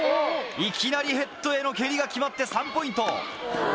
いきなりヘッドへの蹴りが決まって３ポイント。